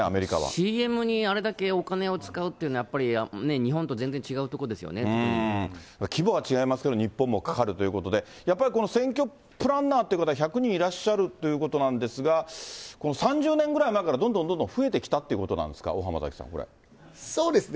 ＣＭにあれだけお金を使うというのは、やっぱり、日本と全然規模は違いますけれども、日本もかかるということで、やっぱりこの選挙プランナーっていう方、１００人いらっしゃるということなんですが、この３０年ぐらい前からどんどんどんどん増えてきたということなんですか、大濱崎さそうですね。